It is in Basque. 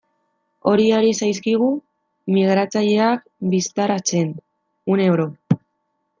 Hori ari zaizkigu migratzaileak bistaratzen, uneoro.